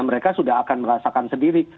mereka sudah akan merasakan sendiri